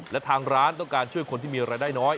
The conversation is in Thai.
และทางร้านต้องการช่วยคนที่มีรายได้น้อย